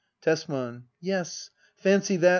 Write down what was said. Tesman. Yes, fancy that.